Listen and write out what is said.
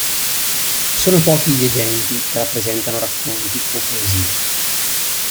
Sono pochi gli agenti che rappresentano racconti o poesie.